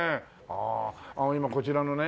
あの今こちらのね